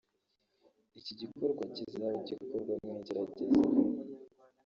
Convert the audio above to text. Iki gikorwa kizaba gikorwa mu igerageza